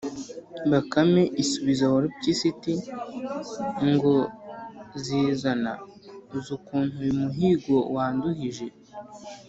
“bakame isubiza warupyisi iti: “ngo zizana! uzi ukuntu uyu muhigo wanduhije?